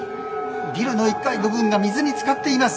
ビルの１階部分が水につかっています。